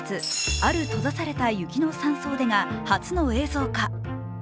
「ある閉ざされた雪の山荘で」が初の映像化。